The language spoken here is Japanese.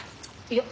いや。